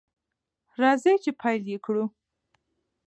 راځئ چې پیل یې کړو.